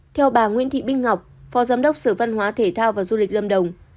theo bà nguyễn thị binh ngọc phó giám đốc sở văn hóa thể thao và du lịch lâm đồng